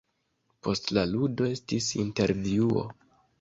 Post la ludo estis intervjuo.